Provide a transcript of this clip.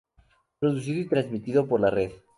Producido y transmitido por La Red.